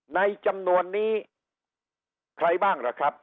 ในจำนวนนี้ใครบ้างล่ะครับ